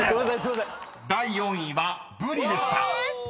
［第４位は「ブリ」でした］